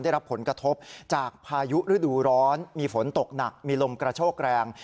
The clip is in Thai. ได้รับผลกระทบจากพายุฤดูร้อนมีฝนตกหนักมีลมกระโชกแรง